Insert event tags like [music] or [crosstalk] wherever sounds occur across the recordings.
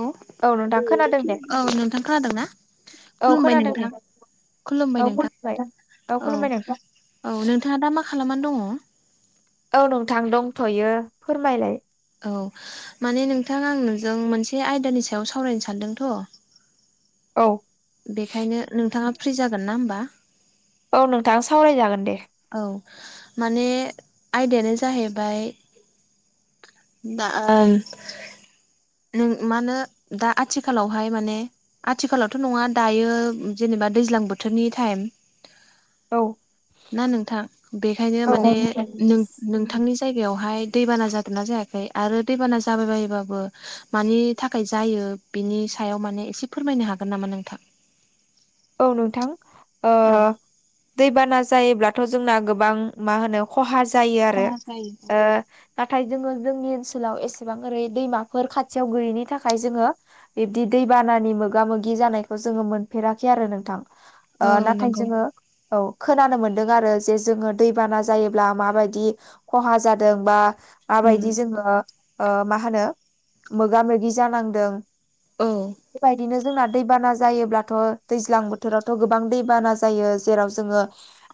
औ नोंथां खोनादों दे औ नोंथां खादोंना? औ खुलुमबाय खोनादों दे नोंथां खुलुमबाय औ नोंथां खुलुमबाय औ खुलुमबाय नोंथां औ नोंथाङा दा मा खालामनानै दङ? औ नोंथां दंथयो फोरमायलाय औ माने नोंथां आं नोंजों मोनसे आयदानि सायाव सावरायनो सानदोंथ औ बेखायनो नोंथाङा फ्रि जागोन ना होमबा औ नोंथां सावरायजागोन दे औ माने आयदायानो जाहैबाय दा नों मा होनो दा आथिखालावहाय माने आथिखालावथ नङा दायो जेनेबा दैज्लां बोथोरनि टाइम औ ना नोंथां बेखायनो औ माने नों नोंथांनि जायगायावहाय दैबाना जादोंना जायाखै आरो दैबाना जाबाय बायोबाबो मानि थाखाय जायो बिनि सायाव माने एसे फोरमायनो हागोन नामा नोंथां औ नोंथां ओ औ दैबाना जायोब्लाथ जोंना गोबां मा होनो खहा जायो आरो खहा जायो। ओ नाथाय जोङो जोंनि ओनसोलाव एसेबां ओरै दैमाफोर खाथियाव गैयैनि थाखाय जोङो बिबदि दैबानानि मोगा मोगि जानायखौ जोङो मोनफेरा खै आरो नोंथां ओ औ नाथाय नंगौ जोङो औ खोनानो मोनदों आरो जे जोङो दैबाना जायोब्ला माबायदि खहा जादों बा माबायदि उम जोङो ओ मा होनो मोगा मोगि जानांदों औ बेबायदिनो जोंना दैबाना जायोब्लाथ दैज्लां बोथोरावथ गोबां दैबाना जायो जेराव जोङो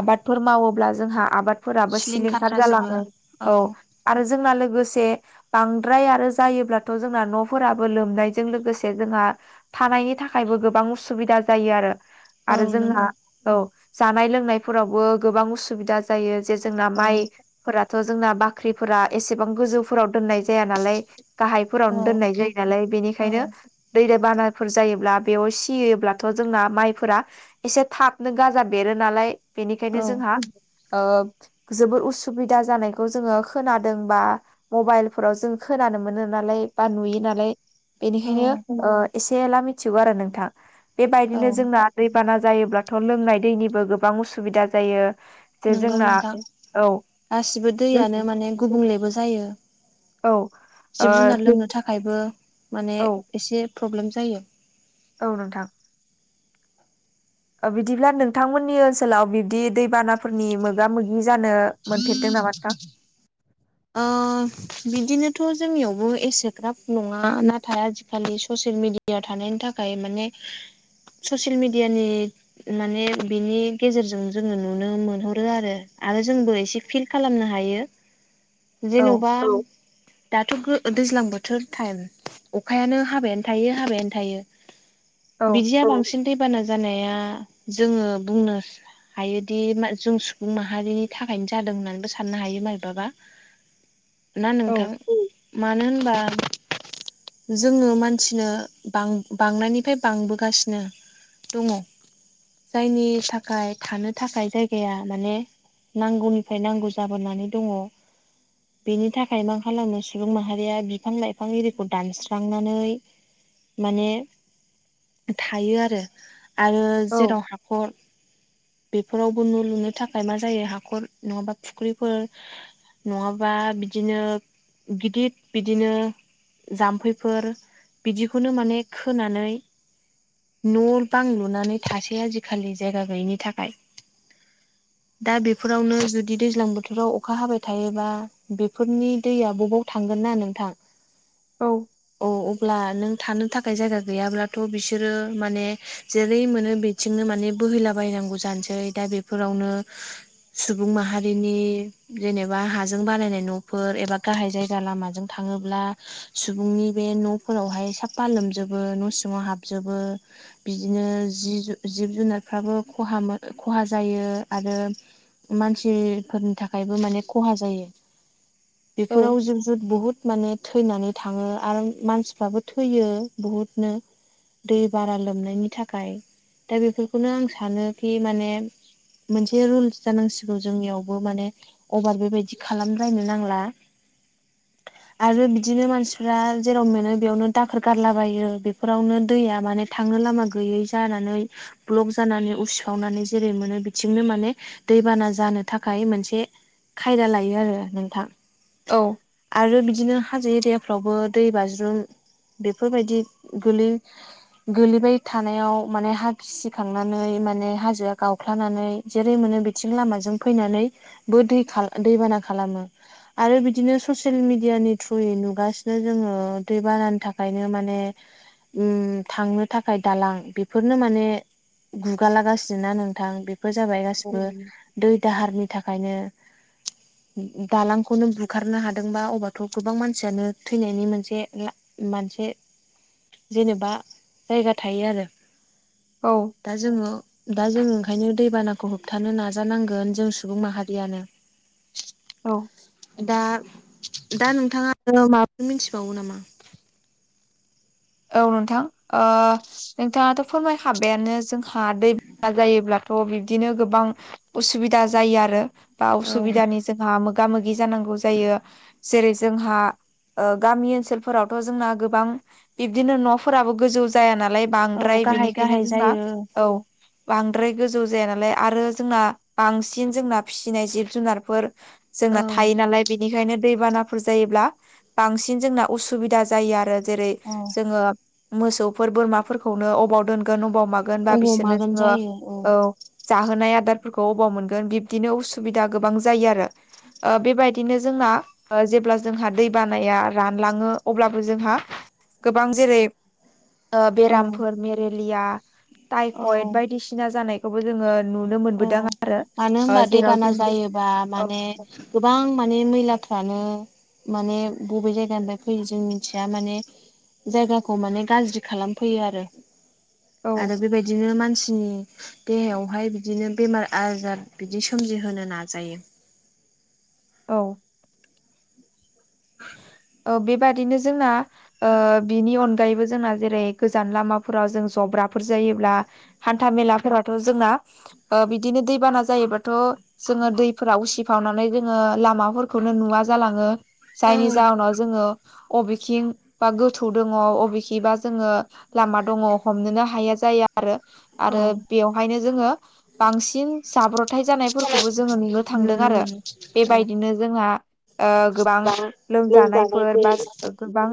आबादफोर मावोब्ला जोंहा आबाद फोराबो सिलिंखार जालाङो औ आरो जोंना लोगोसे बांद्राय आरो जायोब्लाथ जोंना न'फोराबो लोमनायजों लोगोसे जोंहा थानायनि थाखायबो गोबां उसुबिदा जायोआरो औ आरो जोंहा नंगौ औ जानाय लोंनायफोरावबो गोबां उसुबिदा जा जायो जे जोंना औ माइ फोराथ जोंना बाख्रिफोरा एसेबां गोजौफोराव दोननाय जाया नालाय औ गाहायफोरावनो दोननाय जायो नालाय औ बेनिखायनो दै बानाफोर जायोब्ला बेयाव सियोब्ला थ जोंना माइफोरा एसे थाबनो गाजा बेरो नालाय बेनिखायनो औ जोंहा ओ जोबोर उसुबिदा जानायखौ जोङो खोनादों बा मबाइलफोराव जों खोनानो मोनो नालाय बा नुयो नालाय औ बेनिखायनो ओ एसे एला मिथिगौ आरो नोंथां औ बेबायदिनो जोंना दैबाना जायोब्लाथ लोंनाय दैनिबो गोबां उसुबिदा जायो जे नोंगौ जोंना नोंथां औ गासिबो औ दैयानो माने गुबुंलेबो जा जायो ओ जिब जुनार लोंनो थाखायबो माने औ एसे प्रब्लेम जायो औ नोंथां बिदिब्ला नोंथांमोननि ओनसोलाव बिब्दि दैबानाफोरनि मोगा मोगि जानो मोनफेरदों नामा नोंथां ओ बिदिनोथ जोंनियावबो एसेग्राब नङा नाथाय आजिखालि ससियेल मिडिया थानायनि थाखाय माने ससियेल मिडियानि माने बिनि गेजेरजों जोङो नुनो मोनहरो आरो आरो जोंबो एसे फिल खालामनो हायो औ जेनेबा दाथ गो दैज्लां बोथोर टाइम अखायानो हाबायानो थायो हाबायानो थायो औ बिदिया बांसिन दैबाना जानाया जोङो बुंनो हायोदि मा जों सुबुं माहारिनि थाखायनो जादों होननानैबो साननो हायो मारैबाबा। ना औ नोंथां मानो होनबा जोङो मानसिनो बां बांनायनिफाय बांबोगासिनो दंङ। जायनि थाखाय थानो थाखाय जायगाया माने नांगौनिफाय नांगौ जाबोनानै दङ। बिनि थाखाय मा खालामनो सुबुं माहारिया बिफां लाइफां इरिखौ दानस्रांनानै माने थायो आरो। आरो औ जेराव हाखर बे फोरावबो न' लुनो थाखाय मा जायो हाखर नङाबा फुख्रिफोर नङा बा बिदिनो गिदिद बिदिनो जाम्फैफोर बिदिखौनो माने खोनानै न' बां लुनानै थासै आजिखालि जायगा गैयिनि थाखाय। दा बेफोरावनो जुदि दैज्लां बोथोराव अखा हाबाय थायोबा बेफोरनि दैया बबाव थांगोन ना नोंथां। औ। औ अब्ला नों थानो थाखाय जायगा गैयाब्लाथ' बिसोरो माने जेरै मोनो बे थिंनो माने बोहैलाबायायनांगौ जानसै। दा बेफोरावनो सुबुं माहारिनि जेनेबा हाजों बानायनाय न'फोर एबा गाहाय जायगा लामाजों थाङोब्ला सुबुंनि बे न'फोरावहाय साफा लोमजोबो न' सिङाव हाबजोबो। बिदिनो जि जिब जुनारफ्राबो खहा मो खहा जायो आरो मानसिफोरनि थाखायबो माने खहा जायो। बेफोराव जिब जुद बुहुत माने थैनानै थाङो आरो मानसिफ्राबो थैयो बुहुदनो। दै बाना लोमनायनि थाखाय दा बेफोरखौनो आं सानोखि माने मोनसे रुलस जानांसिगौ जोंनियावबो माने अभार बेबायदि खालाम लायनो नांला आरो बिदिनो मानसिफ्रा जेराव मोनो बेयावनो दाखोर गारलाबायो बेफोरावनो दैया माने थांनो लामा गैयै जानानै ब्लक जानानै उसिफावनानै जेरै मोनो बिथिंनो माने दैबाना जानो थाखाय मोनसे खायदा लायो आरो नोंथां। औ। आरो बिदिनो हाजो एरियाफ्रावबो दै बाज्रुम बेफोरबायदि गोलै गोलैबाय थानायाव माने हा गिसिखांनानै माने हाजोआ गावख्लानानै जेरै मोनो बिथिं लामाजों फैनानै बो दै खा दैबाना खालामो। आरो बिदिनो ससियेल मेडियानि थ्रुयै नुगासिनो जोङो दै बानानि थाखायनो माने उम थांनो थाखाय दालां बेफोरनो माने गुगालागासिनो ना नोंथां बेफोर जाबाय गासिबो दै दाहारनि थाखायनो दालांखौनो बुखारनो हादोंबा अबाथ' गोबां मानसियानो थैनायनि मोनसे ला मानसे जेनेबा जायगा थायो आरो। औ दा जोङो दा जोङो ओंखायनो दैबानाखौ होबथानो नाजानांगोन जों सुबुं माहारियानो। औ। दा दा नोंथाङा ओ माबाफोर मिनथिबावो नामा? औ नोंथां। ओ नोंथाङाथ' फोरमायखाबायानो जोंहा दै बाना जायोब्लाथ' बिब्दिनो गोबां उसुबिदा जायो आरो बा औ उसुबिदानि जोंहा मोगा मोगि जानांगौ जायो। जेरै जोंहा गामि ओनसोलफोरावथ' जोंना गोबां बिबदिनो न'फोराबो गोजौ जाया नालाय औ बांद्राय गाहाय बिनिखायनो गाहाय जोंना जायो औ बांद्राय गोजौ जाया नालाय आरो जोंना बांसिन जोंना फिसिनाय जिब जुनारफोर औ जोंना थायो नालाय बेनिखायनो दैबानाफोर जायोब्ला बांसिन जोंना उसुबिदा जायो आरो जेरै जोङो मोसौफोर, बोरमाफोरखौनो अबाव दोनगोन अबाव मा गोन बा अबाव बिसोरनो मागोन जोङो जायो औ जाहोनाय आदारफोरखौ अबाव मोनगोन बिब्दिनो उसुबिदा गोबां जायो आरो ओ बेबायदिनो जोंना ओ जेब्ला जोंहा दै बानाया रानलाङो अब्लाबो जोंहा गोबां जेरै ओ औ बेरामफोर मेरेलिया, औ टाइफयेद बायदिसिना सिना जानायखौबो जोङो नुनो औ मोनबोदों आरो मानो ओ होनबा जेराव दैबाना जोङो जायोबा माने औ गोबां माने मैलाफ्रानो माने बबे जायगानिफ्राय फैयो जों मिथिया माने जायगाखौ माने गाज्रि खालामफैयो आरो। औ आरो बेबायदिनो मानसिनि देहायाव हाय बिदिनो बेमार-आजार बिदि सोमजिहोनो नाजायो। औ ओ बेबादिनो जोंना ओ बिनि अनगायैबो जोंना जेरै गोजान लामाफोराव जों जब्राफोर जायोब्ला हान्था-मेलाफोराथ' जोंना ओ बिदिनो दैबाना जायोबाथ' जोङो दैफोरा उसिफावनानै जोङो लामाफोरखौनो नुवा जालाङो जायनि औ जाहोनाव जोङो अबेखिं बा गोथौ दङ' बबेखिबा जोङो लामा दङ' हमनोनो हाया जायो आरो आरो बेवहायनो जोङो बांसिन जाब्र'थाय जानायफोरखौबो जोङो नुनो थांदों आरो औ बेबायदिनो जोंहा ओ गोबां बा लोमजानायफोर बा गोबां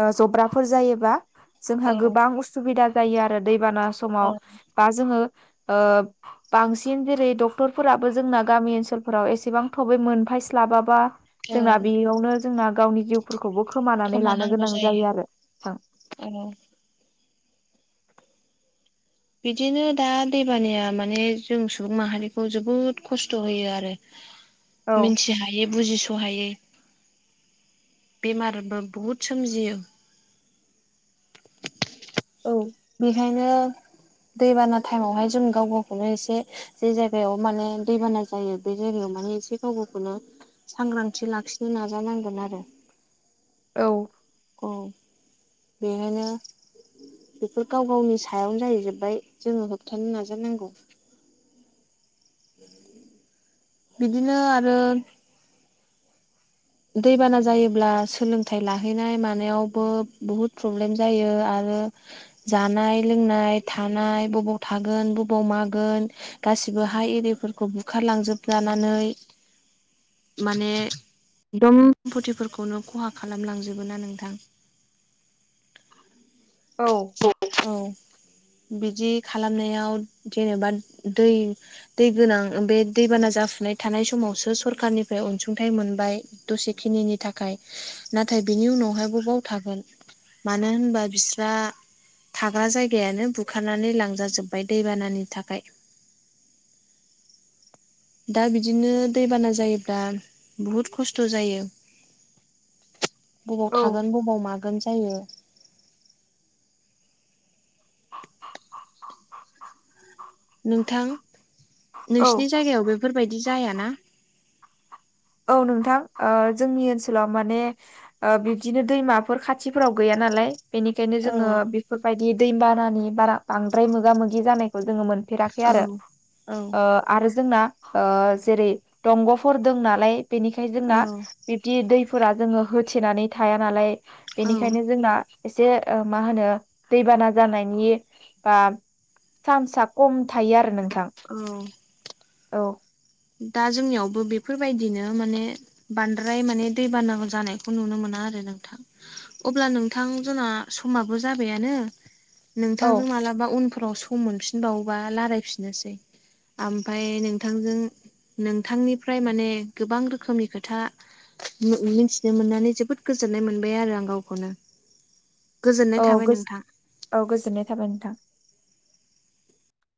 ओ जब्राफोर जायोबा जोंहा औ गोबां सुबिदा जायो आरो दैबाना औ समाव बा जोङो ओ बांसिन जेरै डक्टरफोराबो जोंना गामि ओनसोलफोराव एसेबां थाबै मोनफैस्लाबाबा औ जोंना बेयावनो जोंना गावनि जिउफोरखौबो खोमानानै लानो गोनां जायो आरो नोंथां ओम बिदिनो दा दैबानिया माने जों सुबुं माहारिखौ जोबोद खस्थ' होयो आरो औ मिनथि हायै बुजिस' हायै बेमारबो बुहुद सोमजियो औ बेखायनो दैबाना थाइमावहाय जों गाव गावखौनो एसे जे जायगायाव माने दैबाना जायो बे जायगायाव माने एसे गाव गावखौनो सांग्रांथि लाखिनो नाजानांगोन आरो औ औ बेखायनो बेफोर गाव गावनि सायावनो जाहैजोब्बाय जोङो होबथानो नाजानांगौ [inaudible] बिदिनो आरो दैबाना जायोब्ला सोलोंथाइ लाहैनाय मानायावबो बहुद प्रब्लेम जायो आरो जानाय-लोंनाय, थानाय बबाव थागोन, बबाव मागोन गासिबो हा एरिफोरखौ बुखारलांजोबजानानै माने दन सम्पथिफोरखौनो ख'हा खालामलांजोबो ना नोंथां? [inaudible] औ औ बिदि खालामनायाव जेनेबा दै दै गोनां बे दैबाना जाफुबानाय थानाय समावसो सरखारनिफ्राय अनसुंथाइ मोनबाय दसेखिनिनि थाखाय नाथाय बिनि उनावहाय बबाव थागोन मानो होनबा बिस्रा थाग्रा जायगायानो बुखारनानै लांजाजोबबाय दैबानानि थाखाय दा बिदिनो दैबाना जायोब्ला बुहुत खस्थ' खस्थ' जायो बबाव औ थागोन बबाव मागोन जायो। नोंथां औ नोंसिनि जायगायाव बेफोरबायदि जायाना? औ नोंथां ओ जोंनि ओनसोलाव माने ओ बिबदिनो दैमाफोर खाथिफोराव गैया नालाय। बेनिखायनो औ जोङो बेफोरबायदि दैबानानि बारा बांद्राय मोगा मोगि जानायखौ जोङो मोन फेराखै आरो औ औ ओ आरो जोंना ओ जेरै दंग'फोर दंना नालाय बेनिखायनो जोंना बिब्दि दैफोरा जोङो होथेनानै थाया नालाय। औ बेनिखायनो जोंना एसे ओ मा होनो दैबाना जानायनि बा चान्सआ खम थायो आरो नोंथां। औ औ दा जोंनियावबो बेफोरबायदिनो माने बांद्राय माने दैबाना जानायखौ नुनो मोना आरो नोंथां। अब्ला नोंथां जोंना समाबो जाबायानो औ नोंथांजों मालाबा उन फोराव सम मोनफिनबावोबा रायलायफिननोसै ओमफफ्राय नोंथां जों नोंथांनिफ्राय माने गोबां रोखोमनि खोथा मिथिनो मोननानै जोबोद गोजोननाय मोनबाय आरो आं गावखौनो। गोजोननाय औ थाबाय नोंथां औ गोजोननाय थाबाय नोंथां।